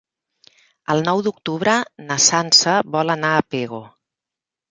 El nou d'octubre na Sança vol anar a Pego.